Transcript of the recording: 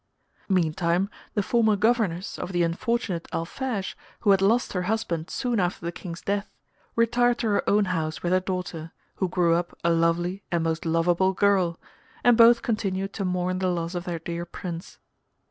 Meantime the former governess of the unfortunate Alphege, who had lost her husband soon after the King's death, retired to her own house with her daughter, who grew up a lovely and most loveable girl, and both continued to mourn the loss of their dear Prince.